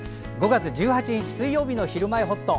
５月１８日、水曜日の「ひるまえほっと」。